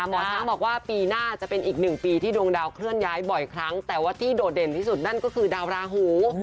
หมอช้างบอกว่าปีหน้าจะเป็นอีกหนึ่งปีที่ดวงดาวเคลื่อนย้ายบ่อยครั้งแต่ว่าที่โดดเด่นที่สุดนั่นก็คือดาวราหู